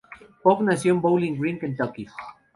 Pope nació en Bowling Green, Kentucky.